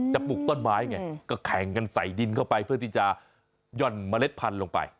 ปลูกต้นไม้ไงก็แข่งกันใส่ดินเข้าไปเพื่อที่จะหย่อนเมล็ดพันธุ์ลงไป